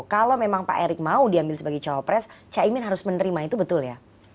kalau memang pak erick mau diambil sebagai cowok pres caimin harus menerima itu betul ya